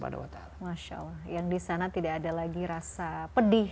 yang di sana tidak ada lagi rasa pedih